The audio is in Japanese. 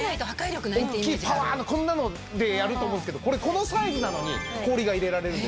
大っきいパワーのこんなのでやると思うんですけどこれこのサイズなのに氷が入れられるんです。